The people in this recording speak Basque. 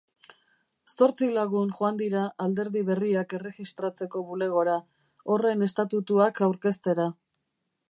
Zortzi lagun joan dira alderdi berriak erregistratzeko bulegora, horren estatutuak aurkeztera.